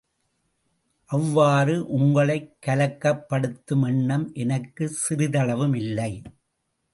அவ்வாறு உங்களைக் கலக்கப்படுத்தும் எண்ணம் எனக்குச் சிறிதளவும் இல்லை.